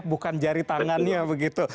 bukan jari tangannya begitu